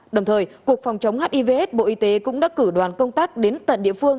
đồng thời cục phòng chống hivs bộ y tế cũng đã cử đoàn công tác đến tận địa phương